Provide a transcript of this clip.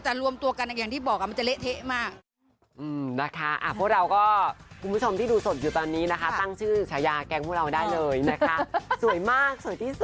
รวมตัวกันอย่างที่บอกมันจะเละเทะมาก